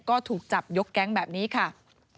ก็ถูกจับยกแก๊งแบบนี้ค่ะ